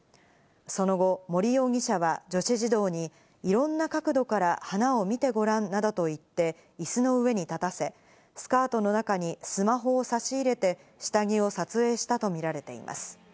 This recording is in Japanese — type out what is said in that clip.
その後、森容疑者は女子児童にいろんな角度から花を見てごらんなどと言って、いすの上に立たせ、スカートの中にスマホを差し入れて下着を撮影したとみられています。